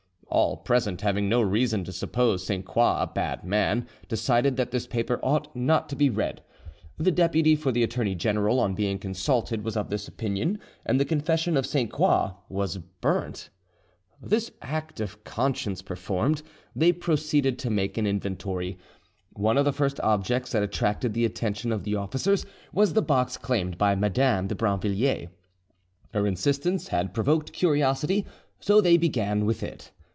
All present, having no reason to suppose Sainte Croix a bad man, decided that this paper ought not to be read. The deputy for the attorney general on being consulted was of this opinion, and the confession of Sainte Croix was burnt. This act of conscience performed, they proceeded to make an inventory. One of the first objects that attracted the attention of the officers was the box claimed by Madame de Brinvilliers. Her insistence had provoked curiosity, so they began with it.